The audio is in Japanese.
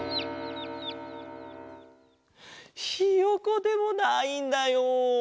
ひよこでもないんだよ。